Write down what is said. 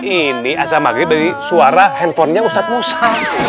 ini azam maghrib dari suara handphonenya ustadz musa